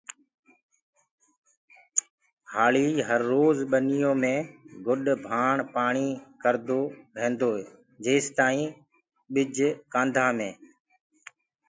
هآݪي هرروج ٻنيو مي گُڏ ڀآڻ پآڻي ڪردو ريهندوئي جيستآئين ٻج ڪآنڌآ مي